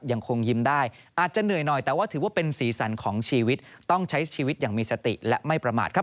ยังคงยิ้มได้อาจจะเหนื่อยหน่อยแต่ว่าถือว่าเป็นสีสันของชีวิตต้องใช้ชีวิตอย่างมีสติและไม่ประมาทครับ